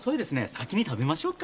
先に食べましょうか？